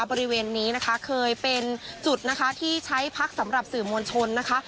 บริเวณนี้นะคะเคยเป็นจุดนะคะที่ใช้พักสำหรับสื่อมวลชนนะคะ